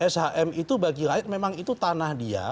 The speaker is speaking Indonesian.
shm itu bagi rakyat memang itu tanah dia